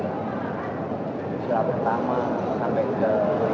dari silap pertama sampai ke